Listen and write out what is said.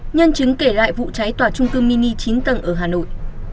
nhân chứng kể lại vụ cháy tòa trung cư mini chín tầng ở hà nội